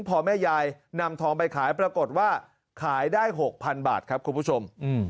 พอแม่ยายนำทองไปขายปรากฏว่าขายได้๖๐๐๐บาทครับคุณผู้ชม